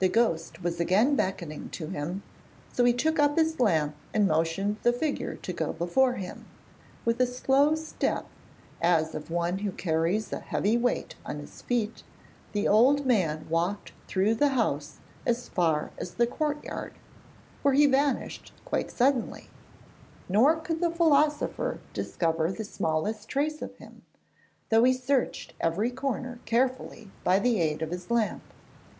The ghost was again beckoning to him, so he took up the lamp and motioned the figure to go before him. With a slow step, as of one who carries a heavy weight on his feet, the old man walked through the house as far as the courtyard, where he vanished quite suddenly; nor could the philosopher discover the smallest trace of him, though he searched every corner carefully by the aid of his lamp.